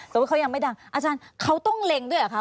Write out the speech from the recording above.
สมมุติเขายังไม่ดังอาจารย์เขาต้องเล็งด้วยเหรอคะ